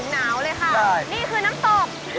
ก้วยแก้ว